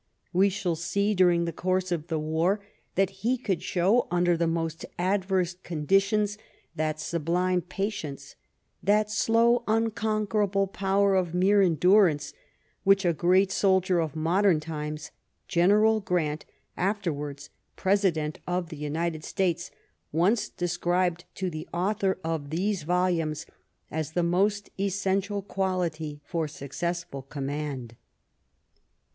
We shall see during the course of the war that he could show under the most adverse conditions that sublime patience, that slow, unconquerable power of mere en durance which a great soldier of modern times — General Grant, afterwards President of the United States — once described to the author of these volumes as the most essential quality for successful command.